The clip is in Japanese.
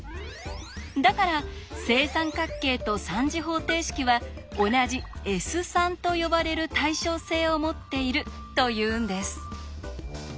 だから正三角形と３次方程式は同じ「Ｓ」と呼ばれる対称性を持っているというんです。